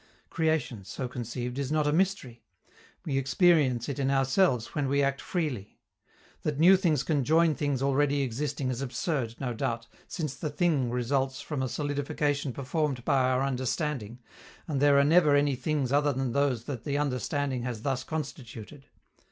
Creation, so conceived, is not a mystery; we experience it in ourselves when we act freely. That new things can join things already existing is absurd, no doubt, since the thing results from a solidification performed by our understanding, and there are never any things other than those that the understanding has thus constituted.